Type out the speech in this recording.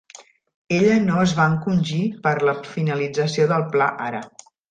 Ella no es va encongir per la finalització del pla ara.